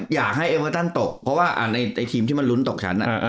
เอเวอร์ตันตกเพราะว่าในทีมที่มันลุ้นตกชั้น